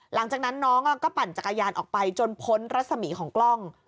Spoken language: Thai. หลังจากนั้นน้องก็ปั่นจักรยานออกไปจนพ้นรัศมีของกล้อง